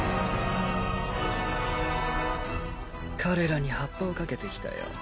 彼らにハッパをかけてきたよ。